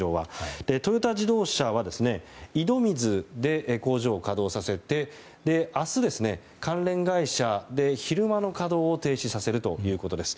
トヨタ自動車は井戸水で工場を稼働させて明日、関連会社で昼間の稼働を停止させるということです。